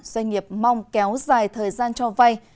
doanh nghiệp mong kéo dài thời gian cho vay